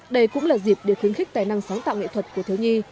đây cũng là dịp để khuyến khích tài năng sáng tạo nghệ thuật của thiếu nhi